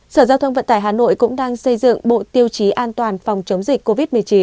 sở giao thông vận tải hà nội cũng đang xây dựng bộ tiêu chí an toàn phòng chống dịch covid một mươi chín